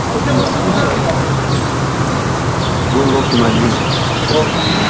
Alitakiwa kumlinda Hakizemana hata kwa kutoa uhai wake